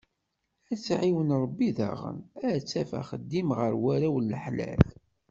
Ad tt-iɛiwen Rebbi daɣen ad taf axeddim ɣer warraw n laḥlal.